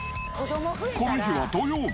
この日は土曜日。